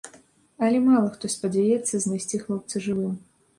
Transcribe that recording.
Але мала хто спадзяецца знайсці хлопца жывым.